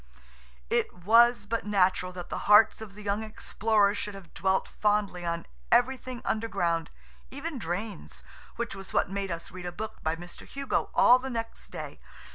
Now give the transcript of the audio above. It was but natural that the hearts of the young explorers should have dwelt fondly on everything underground, even drains, which was what made us read a book by Mr. Hugo all the next day.